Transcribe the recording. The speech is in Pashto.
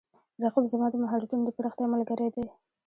رقیب زما د مهارتونو د پراختیا ملګری دی